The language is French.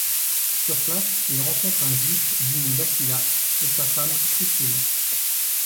Sur place, il rencontre un Juif du nom d'Aquila et sa femme Priscille.